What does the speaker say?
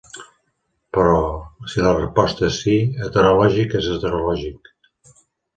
Però, si la resposta és 'sí', "heterològic" és heterològic.